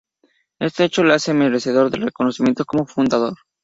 Este hecho le hace merecedor del reconocimiento como Fundador.